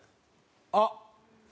あっ！